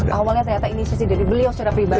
awalnya ternyata inisiasi dari beliau secara pribadi